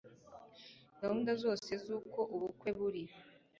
gahunda zose zuko ubukwe buri